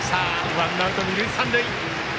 ワンアウト、二塁三塁。